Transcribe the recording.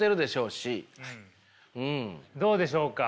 どうでしょうか。